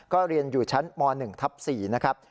ก็เรียนอยู่ชั้นม๑ทับ๔นะครับ